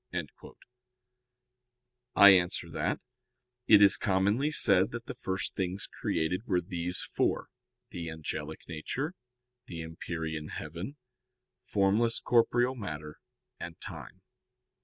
I answer that, It is commonly said that the first things created were these four the angelic nature, the empyrean heaven, formless corporeal matter, and time.